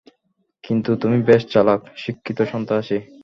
কিন্তু তুমি বেশ চালাক, শিক্ষিত সন্ত্রাসী।